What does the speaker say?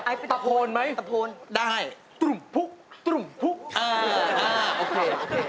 ไอ้เป็นตะโพนไหมตะโพนได้ตุลุ้มพุกตุลุ้มพุกอ่าโอเค